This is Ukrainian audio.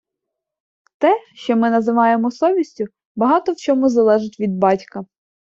Те, що ми називаємо совістю, багато в чому залежить від батька.